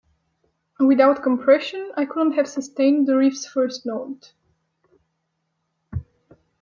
Without compression, I couldn't have sustained the riff's first note.